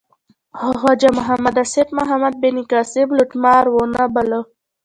خو خواجه محمد آصف محمد بن قاسم لوټمار و نه باله.